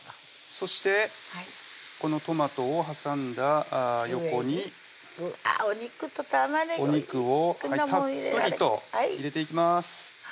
そしてこのトマトを挟んだ横にあっお肉と玉ねぎお肉をたっぷりと入れていきます